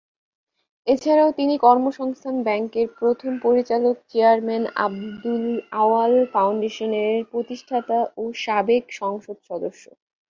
এছাড়াও তিনি কর্মসংস্থান ব্যাংকের প্রথম পরিচালক চেয়ারম্যান, আবদুল আউয়াল ফাউন্ডেশনের প্রতিষ্ঠাতা ও সাবেক সংসদ সদস্য।